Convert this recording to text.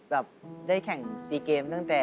แบบได้แข่ง๔เกมตั้งแต่